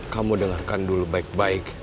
kamu dengarkan dulu baik baik